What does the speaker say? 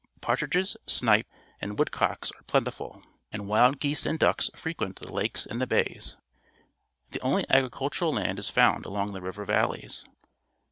Partridges, snipe, and woodcocks are plenti ful, and wild geese and ducks frequent the lakes and the bays. The only agricultural land is found along the river valleys.